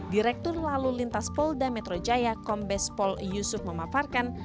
direktur lalu lintas polda metro jaya kombes pol yusuf memaparkan